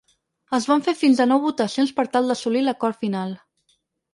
Es van fer fins a nou votacions per tal d’assolir l’acord final.